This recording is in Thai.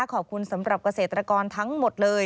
ขอบคุณสำหรับเกษตรกรทั้งหมดเลย